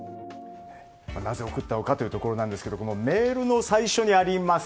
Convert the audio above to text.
なぜ送ったのかというところなんですけどメールの最初にあります